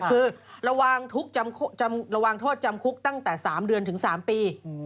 คือระวังทศจำคุกตั้งแต่๓เดือนถึง๓ปี